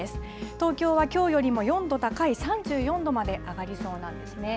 東京はきょうよりも４度高い、３４度まで上がりそうなんですね。